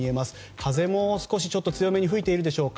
風も少し強めに吹いているでしょうか。